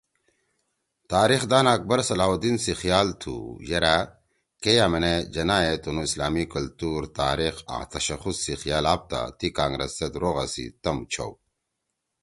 تاریخ دان اکبر صلاح الدین سی خیال تُھو یرأ، ” کے یأمینے جناح ئے تنُو اسلامی کلتُور، تاریخ آں تشخص سی خیال آپتا تی کانگرس سیت روغا سی تَم چھؤ